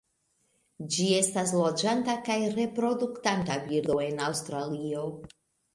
Ĝi estas loĝanta kaj reproduktanta birdo en Aŭstralio.